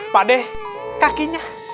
pak deh kakinya